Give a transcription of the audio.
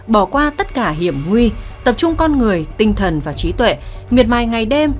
bỏ qua tất cả hiểm huy tập trung con người tinh thần và trí tuệ miệt mài ngày đêm